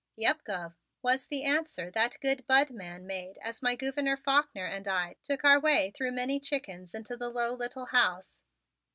"Yep, Gov," was the answer that good Bud man made as my Gouverneur Faulkner and I took our way through many chickens into the low little house.